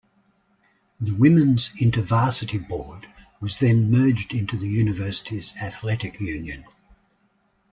The Women's Inter-Varsity Board was then merged into the Universities Athletic Union.